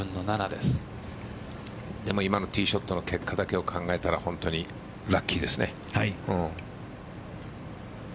でも今のティーショットの結果だけを考えたら本当にラッキーですね。